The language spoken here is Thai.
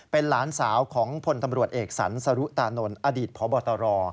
เป็นหลานสาวของพลตำรวจเอกสรรสรุตานนท์อดีตพบตร